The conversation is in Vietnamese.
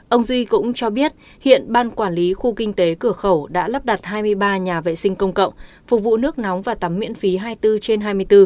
ông duy cũng cho biết hiện ban quản lý khu kinh tế cửa khẩu đã lắp đặt hai mươi ba nhà vệ sinh công cộng phục vụ nước nóng và tắm miễn phí hai mươi bốn trên hai mươi bốn